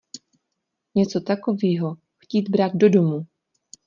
Něco takovýho chtít brát do domu!